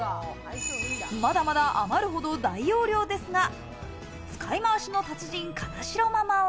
まだまだ余るほど大容量ですが、使いまわしの達人・金城ママは。